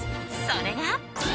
それが。